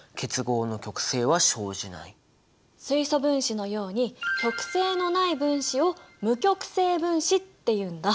水素分子のように極性のない分子を無極性分子っていうんだ。